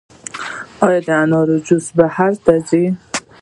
آیا د انارو جوس بهر ته ځي؟